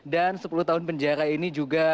dan sepuluh tahun penjara ini juga